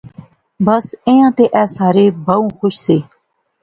بس ایہھاں تے ایہہ سارے بہوں خوش سے